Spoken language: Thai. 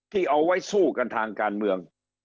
ที่เอาไว้สู้กันทางการเมือง